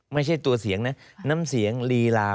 ไม่ใช่ตัวเสียงนะน้ำเสียงลีลา